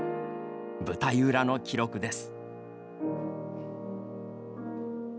舞台裏の記録です。